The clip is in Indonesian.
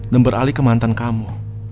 dan beralih ke mantan kamu